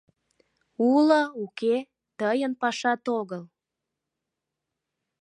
— Уло-уке — тыйын пашат огыл!